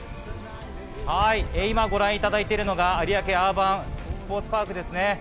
今、ご覧いただいているのが有明アーバンスポーツパークです。